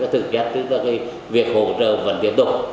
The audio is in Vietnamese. tức là việc hỗ trợ vẫn tiếp tục